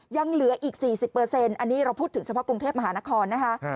ยังเหลืออีก๔๐อันนี้เราพูดถึงเฉพาะกรุงเทพมหานครนะคะ